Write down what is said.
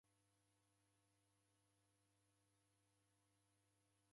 Nachanwa ni nyondo.